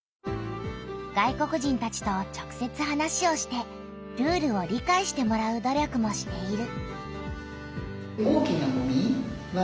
外国人たちと直せつ話をしてルールを理解してもらう努力もしている。